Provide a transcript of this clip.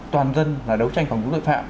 toàn dân là đấu tranh phòng chống tội phạm